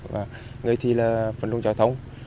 và người thì là phân công trò thông